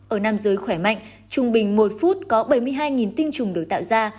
ở nam giới khỏe mạnh trung bình một phút có bảy mươi hai tinh trùng được tạo ra